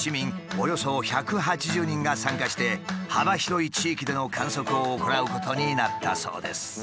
およそ１８０人が参加して幅広い地域での観測を行うことになったそうです。